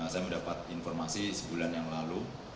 saya mendapat informasi sebulan yang lalu